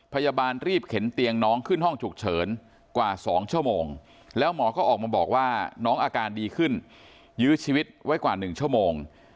พยาบาลรีบเข็นเตียงน้องขึ้นห้องฉุกเฉินกว่า๒ชั่วโมงแล้วหมอก็ออกมาบอกว่าน้องอาการดีขึ้นยื้อชีวิตไว้กว่า๑ชั่วโมง